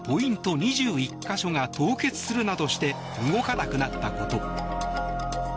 ２１か所が凍結するなどして動かなくなったこと。